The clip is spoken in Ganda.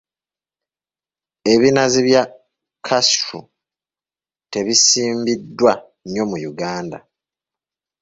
Ebinazi bya cashew tebisimbiddwa nnyo mu Uganda.